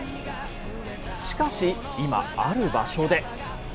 しかし、今、ある場所で。